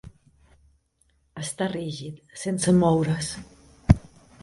Està rígid, sense moure's.